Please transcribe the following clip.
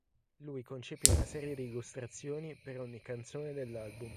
Lui concepì una serie di illustrazioni per ogni canzone dell'album.